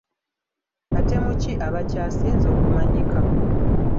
Batemu ki abakyasinze okumanyika?